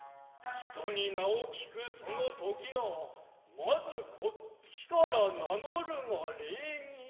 人に名を聞くその時はまず此方から名乗るが礼儀。